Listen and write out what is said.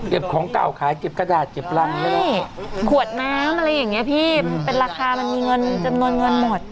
เก็บของเก่าขายเก็บกระดาษเก็บรำขวดน้ำอะไรอย่างเนี้ยพี่เป็นราคามันมีจำนวนเงินหมด